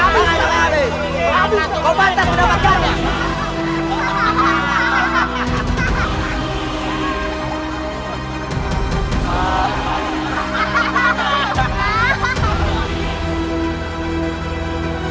kau pantas mendapatkannya